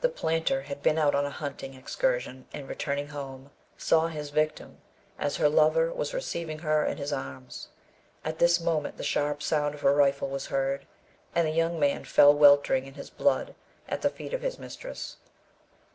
The planter had been out on an hunting excursion, and returning home, saw his victim as her lover was receiving her in his arms. At this moment the sharp sound of a rifle was heard, and the young man fell weltering in his blood, at the feet of his mistress.